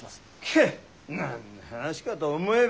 ケッ何の話かと思えば。